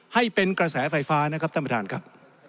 ให้เป็นกระแสไฟฟ้านะครับท่านประธานครับ